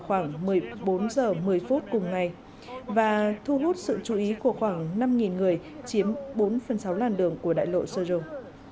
khoảng một mươi bốn h một mươi phút cùng ngày và thu hút sự chú ý của khoảng năm người chiếm bốn phần sáu làn đường của đại lộ soju